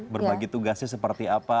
berbagi tugasnya seperti apa